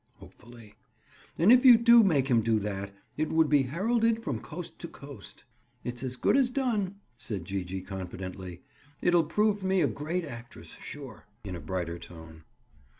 Hopefully. "And if you do make him do that, it would be heralded from coast to coast." "It's as good as done," said Gee gee confidently. "It'll prove me a great actress, sure." In a brighter tone.